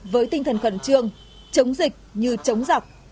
với tinh thần khẩn trương chống dịch như chống giặc